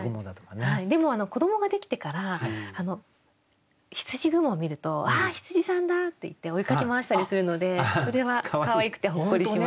でも子どもができてからひつじ雲を見ると「あっ！羊さんだ！」って言って追いかけ回したりするのでそれはかわいくてほっこりします。